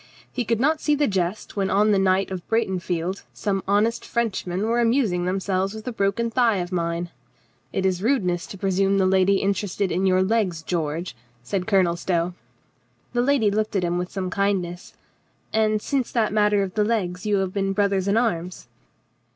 "He could not see the jest when on the night of Breitenfeld some honest Frenchmen were amusing themselves with a broken thigh of mine." "It is a rudeness to presume the lady interested in your legs, George," said Colonel Stow. The lady looked at him with some kindness. "And since that matter of the legs you have been brothers in arms?"